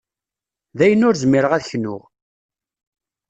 Dayen ur zmireɣ ad knuɣ.